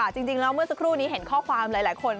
จริงแล้วเมื่อสักครู่นี้เห็นข้อความหลายคน